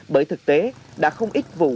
bởi thực tế đã không ít vụ